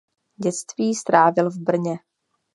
Dětství strávil v Brně.